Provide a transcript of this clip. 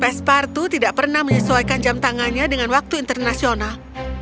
pespartu tidak pernah menyesuaikan jam tangannya dengan waktu internasional